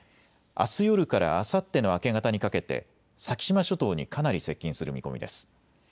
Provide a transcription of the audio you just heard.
あす夜からあさっての明け方にかけて先島諸島にかなり接近する見込みです。